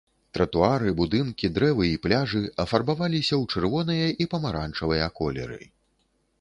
Тратуары, будынкі, дрэвы і пляжы афарбаваліся ў чырвоныя і памаранчавыя колеры.